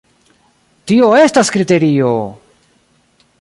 Tio estas kriterio!